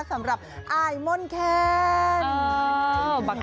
สำหรับอะห์ยมนต์แคน